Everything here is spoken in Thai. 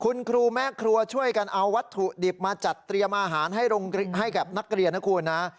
คุณครูแม่ครัวช่วยกันเอาวัตถุดิบมาจัดเตรียมอาหารให้กับนักเรียนนะคุณนะ